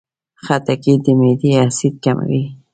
خټکی د معدې اسید کموي.